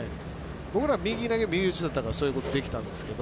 僕は右投げ右打ちだったのでそういうこと、できたんですけど。